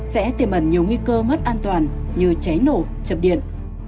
sẽ tiềm ẩn nhiều nguy cơ mất an toàn như cháy nổ chập điện